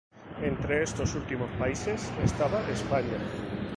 Entre estos últimos países estaba España.